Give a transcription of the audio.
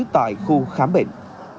tại khu khám bệnh